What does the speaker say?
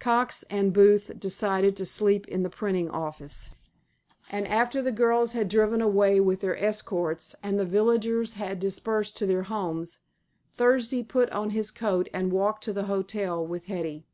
Cox and Booth decided to sleep in the printing office, and after the girls had driven away with their escorts and the villagers had dispersed to their homes, Thursday put on his coat and walked to the hotel with Hetty.